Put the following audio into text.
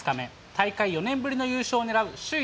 大会４年ぶりの優勝を狙う首位